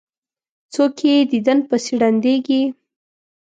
څوک یې دیدن پسې ړندیږي.